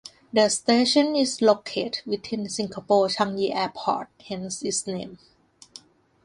The station is located within Singapore Changi Airport, hence its name.